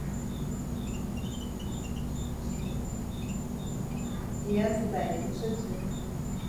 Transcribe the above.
Диазҵааит даҽаӡәы.